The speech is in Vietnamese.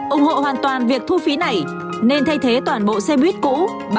ủng hộ hoàn toàn việc thu phí này nên thay thế toàn bộ xe buýt cũ